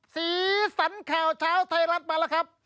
สีสันข่าวเช้าไทยรัฐมาแล้วครับ